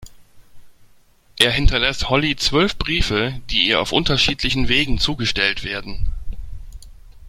Er hinterlässt Holly zwölf Briefe, die ihr auf unterschiedlichen Wegen zugestellt werden.